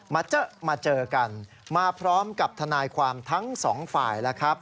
มาเจอกันมาพร้อมกับทนายความทั้งสองฝ่ายแล้วครับ